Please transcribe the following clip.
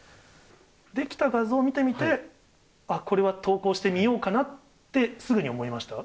出来た画像を見てみて、あっ、これは投稿してみようかなって、すぐに思いました？